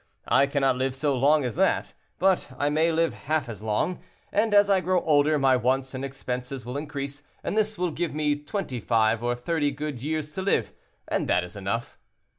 I cannot live so long as that, but I may live half as long, and as I grow older my wants and expenses will increase, and this will give me twenty five or thirty good years to live, and that is enough."